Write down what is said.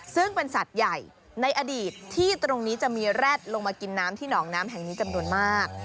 ซึ่งเป็นสัตว์ใหญ่ในอดีตที่ตรงนี้จะมีแร็ดลงมากินน้ำที่หนองน้ำแห่งนี้จำนวนมาก